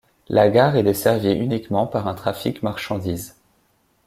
La gare est desservie uniquement par un trafic marchandises.